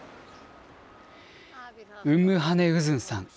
ウンムハネ・ウズンさん。